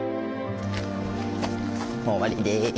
もう終わりでーす。